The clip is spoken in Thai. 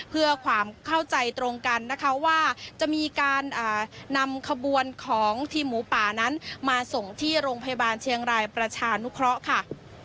เพื่อความเข้าใจตรงกันนะคะว่าจะมีการนำขบวนของทีมหมูป่านั้นมาส่งที่โรงพยาบาลเชียงรายประชานุเคราะห์ค่ะ